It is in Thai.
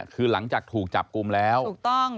คือหลังจากถูกจับกลุ่มแล้วถูกต้อง